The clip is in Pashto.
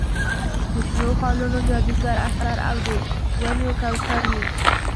د شنو خالونو جادوګر اثر او د ونیو کوثر وي.